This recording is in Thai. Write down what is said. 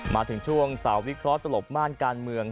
มาถึงช่วงสาววิเคราะห์ตลบม่านการเมือง